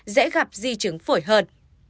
dễ gặp di chứng phổi hơn